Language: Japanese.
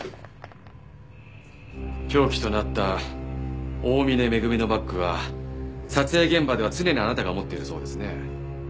凶器となった大峰恵のバッグは撮影現場では常にあなたが持っているそうですね。